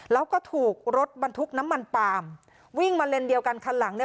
แล้วก็ถูกรถบรรทุกน้ำมันปาล์มวิ่งมาเลนเดียวกันคันหลังเนี่ย